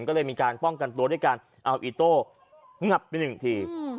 ก็เลยมีการป้องกันตัวด้วยการเอาอีโต้งับไปหนึ่งที